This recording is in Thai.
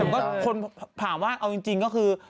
ก็คนถามว่าเอาจริงก็คือ